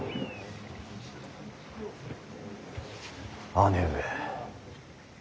姉上。